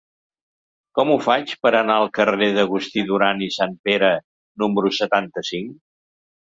Com ho faig per anar al carrer d'Agustí Duran i Sanpere número setanta-cinc?